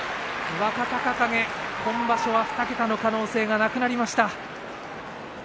若隆景、今場所は２桁の可能性がなくなりました。